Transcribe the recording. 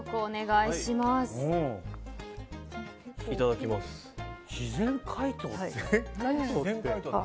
いただきます。